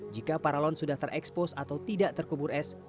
jika paralon sudah terekspos atau tidak terkubur es